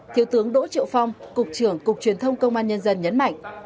thiếu tướng đỗ triệu phong cục trưởng cục truyền thông công an nhân dân nhấn mạnh